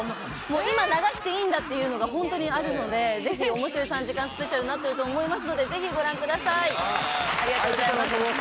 今流していいんだというのが本当にあるので、ぜひ面白い３時間スペシャルとなってると思いますのでぜひご覧ください。